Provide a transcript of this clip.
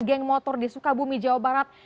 geng motor di sukabumi jawa barat